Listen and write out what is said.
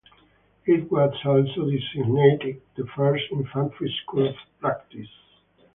It was also designated the first Infantry School of Practice.